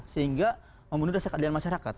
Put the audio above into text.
sehingga memenuhi rasa keadilan masyarakat